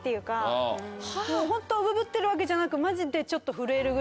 ホントウブぶってるわけじゃなくマジでちょっと。